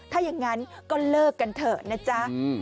ถ้าอย่างนั้นก็เลิกกันเถอะนะจ๊ะ